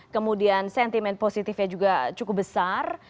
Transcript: kemudian sentimen positifnya juga cukup besar